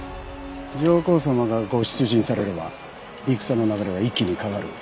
上皇様がご出陣されれば戦の流れは一気に変わる。